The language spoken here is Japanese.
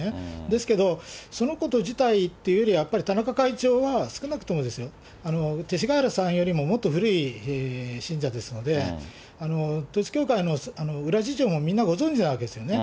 ですけど、そのこと自体っていうより、やっぱり田中会長は、少なくとも勅使河原さんよりももっと古い信者ですので、統一教会の裏事情もみんなご存じなわけですよね。